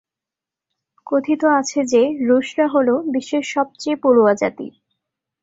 কথিত আছে যে রুশরা হল "বিশ্বের সবচেয়ে পড়ুয়া জাতি"।